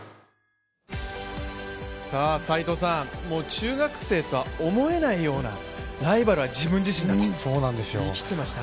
中学生とは思えないようなライバルは自分自身だと言い切っていましたね。